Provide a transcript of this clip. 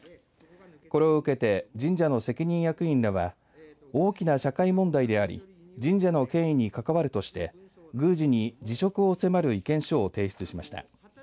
これを受けて神社の責任役員らは大きな社会問題であり神社の権威に関わるとして宮司に辞職を迫る意見書を提出しました。